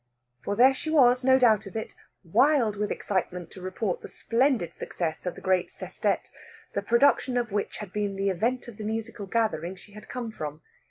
For there she was, no doubt of it, wild with excitement to report the splendid success of the great sestet, the production of which had been the event of the musical gathering she had come from.